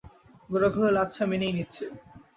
গোরা কহিল, আচ্ছা, মেনেই নিচ্ছি।